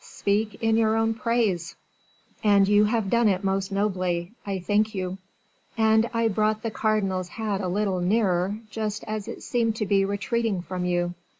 "Speak in your own praise." "And you have done it most nobly; I thank you." "And I brought the cardinal's hat a little nearer, just as it seemed to be retreating from you."